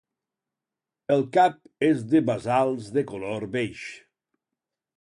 El cap és de basals de color beix.